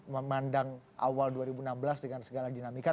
memandang awal dua ribu enam belas dengan segala dinamika